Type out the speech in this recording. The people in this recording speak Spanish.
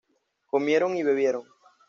Comieron y bebieron.